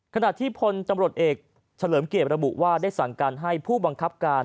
ขณะที่พลตำรวจเอกเฉลิมเกียรติระบุว่าได้สั่งการให้ผู้บังคับการ